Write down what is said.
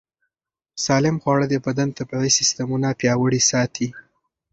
سالم خواړه د بدن طبیعي سیستمونه پیاوړي ساتي.